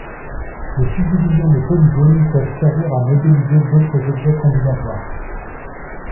Les subdivisions de polygone peuvent servir à modéliser d'autres objets combinatoires.